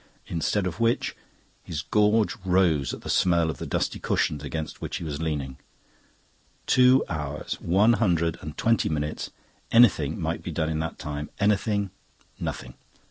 Instead of which his gorge rose at the smell of the dusty cushions against which he was leaning. Two hours. One hundred and twenty minutes. Anything might be done in that time. Anything. Nothing.